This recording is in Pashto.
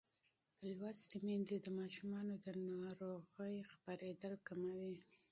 تعلیم لرونکې میندې د ماشومانو د ناروغۍ خپرېدل کموي.